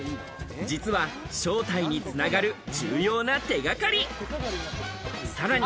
実は正体に繋がる重要な手掛かり。